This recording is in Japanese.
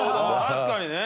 確かにね。